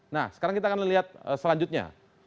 nah sekarang kita akan lihat selanjutnya